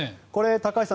高橋さん